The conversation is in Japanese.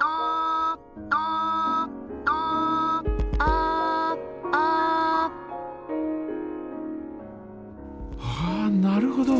ああなるほど。